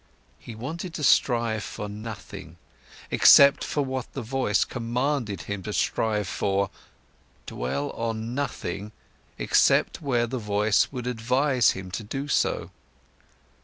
He wanted to strive for nothing, except for what the voice commanded him to strive for, dwell on nothing, except where the voice would advise him to do so.